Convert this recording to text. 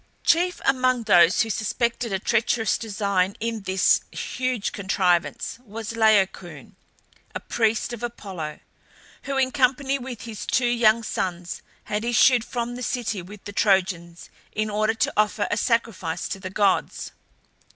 Chief among those who suspected a treacherous design in this huge contrivance was Laocoon, a priest of Apollo, who, in company with his two young sons, had issued from the city with the Trojans in order to offer a sacrifice to the gods.